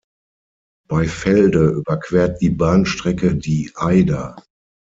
Bei Felde überquert die Bahnstrecke die Eider.